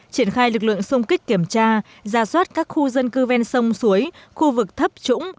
triển khai lực lượng xung kích kiểm tra ra soát các khu dân cư ven sông suối khu vực thấp trũng